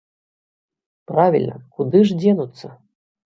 Правільна, куды ж дзенуцца?